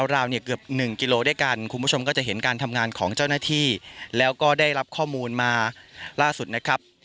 ราวเนี่ยเกือบ๑กิโลด้วยกันคุณผู้ชมก็จะเห็นการทำงานของเจ้าหน้าที่แล้วก็ได้รับข้อมูลมาล่าสุดนะครับ